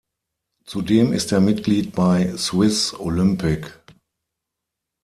Zudem ist er Mitglied bei Swiss Olympic.